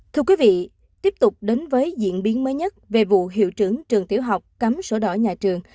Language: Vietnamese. thưa quý vị tiếp tục đến với diễn biến mới nhất về vụ hiệu trưởng trường tiểu học cấm sổ đỏ nhà trường